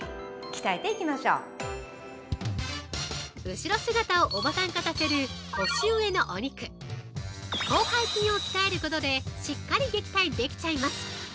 ◆後ろ姿をおばさん化させる腰上のお肉広背筋を鍛えることでしっかり撃退できちゃいます。